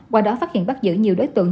qua đó phát hiện bắt giữ nhiều đối tượng